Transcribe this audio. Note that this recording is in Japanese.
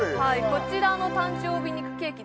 こちらの誕生日肉ケーキ